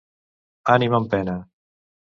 Ànima en pena.